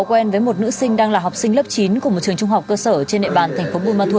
quen với một nữ sinh đang là học sinh lớp chín của một trường trung học cơ sở trên địa bàn tp cà mau